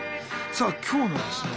さあ今日のですね